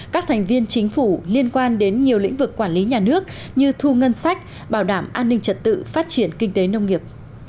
các thành viên chính phủ liên quan đến nhiều lĩnh vực quản lý nhà nước như thu ngân sách bảo đảm an ninh trật tự phát triển kinh tế nông nghiệp